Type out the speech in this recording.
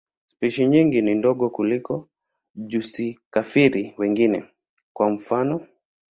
Spishi nyingi ni ndogo kuliko mijusi-kafiri wengine, kwa mfano.